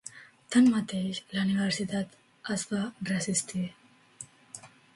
Tanmateix, la universitat es va resistir.